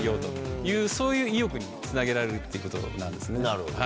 そういう意欲につなげられるっていうことなんですね。